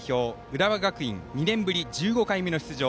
浦和学院２年ぶり１５回目の出場。